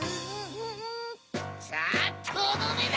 さぁとどめだ！